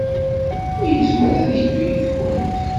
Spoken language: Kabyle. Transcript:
Yezmer ad yeddu yid-went?